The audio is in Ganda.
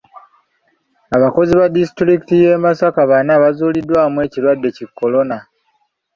Abakozi ba disitulikiti y'e Masaka bana bazuuliddwamu ekirwadde ki Kolona.